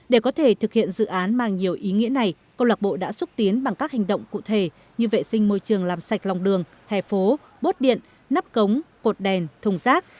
để có thể thực hiện dự án mang nhiều ý nghĩa này câu lạc bộ đã xúc tiến bằng các hành động cụ thể như vệ sinh môi trường làm sạch lòng đường hè phố bốt điện nắp cống cột đèn thùng rác